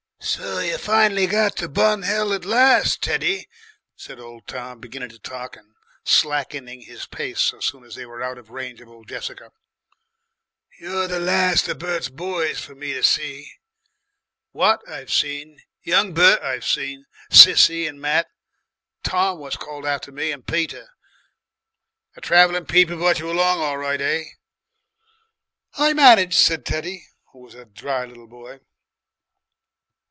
"So you've really got to Bun Hill at last, Teddy," said old Tom, beginning to talk and slackening his pace so soon as they were out of range of old Jessica. "You're the last of Bert's boys for me to see. Wat I've seen, young Bert I've seen, Sissie and Matt, Tom what's called after me, and Peter. The traveller people brought you along all right, eh?" "I managed," said Teddy, who was a dry little boy.